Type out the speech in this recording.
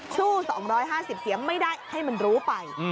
สู้๒๕๐เสียงไม่ได้ให้มันรู้ไป